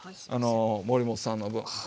守本さんの分。